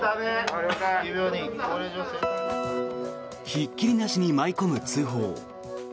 ひっきりなしに舞い込む通報。